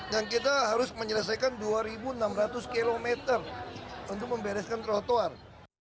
dan kita harus menyelesaikan dua enam ratus kilometer untuk membereskan trotoar